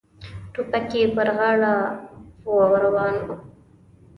ټوپک یې پر غاړه و او روان و.